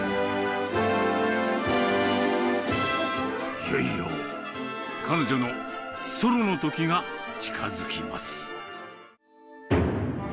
いよいよ、彼女のソロのときが近づきます。